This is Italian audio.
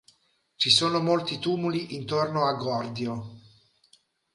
Ci sono molti tumuli intorno a Gordio.